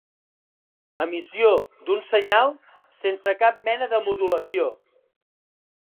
Emissió d'un senyal sense cap mena de modulació.